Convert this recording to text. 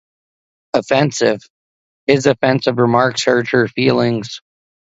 Offensive - His offensive remarks hurt her feelings.